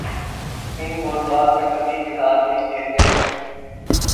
ان موضوعات پر کبھی دھیان نہیں دیتے؟